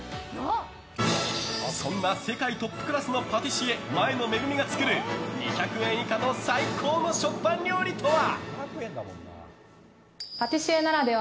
そんな世界トップクラスのパティシエ、前野めぐみが作る２００円以下の最高の食パン料理とは？